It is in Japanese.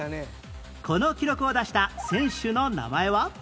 この記録を出した選手の名前は？